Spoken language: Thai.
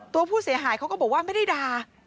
ตัวผู้เสียหายเขาก็บอกว่าไม่ได้ด่า